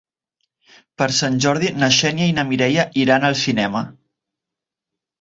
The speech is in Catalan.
Per Sant Jordi na Xènia i na Mireia iran al cinema.